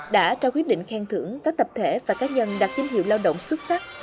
đã trao quyết định khen thưởng các tập thể và các nhân đạt kinh hiệu lao động xuất sắc